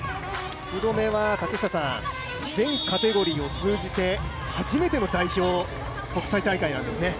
福留は、全カテゴリーを通じて初めての代表国際大会なんですよね。